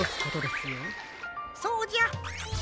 そうじゃ。